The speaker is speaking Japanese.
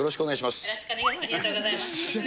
ありがとうございます。